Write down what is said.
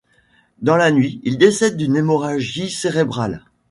Dans la nuit, il décède d'une hémorragie cérébrale.